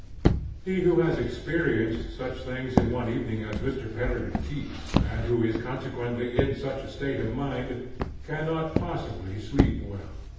He, who has experienced such things in one evening as Mr. Peregrine Tyss, and who is consequently in such a state of mind, cannot possibly sleep well.